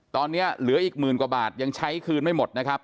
ตอนนี้เหลืออีกหมื่นกว่าบาทยังใช้คืนไม่หมดนะครับ